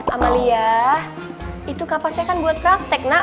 amalia itu kapasnya kan buat praktek nak